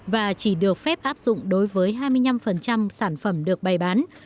và chỉ được phép áp dụng đối với hai mươi năm sản xuất